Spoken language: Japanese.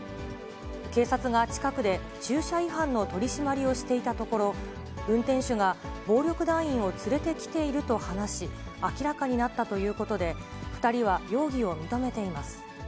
警察が近くで駐車違反の取締りをしていたところ、運転手が暴力団員を連れてきていると話し、明らかになったということで、２人は容疑を認めています。